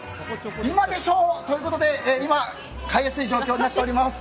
今でしょ！ということで今買いやすい状況になっています。